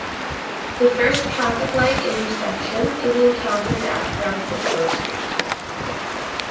The first traffic light intersection is encountered at Francisco Street.